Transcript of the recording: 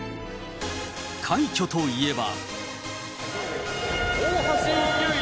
快挙といえば。